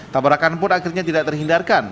tabrakan pun akhirnya tidak terhindarkan